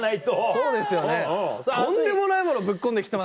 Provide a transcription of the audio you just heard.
そうですよね。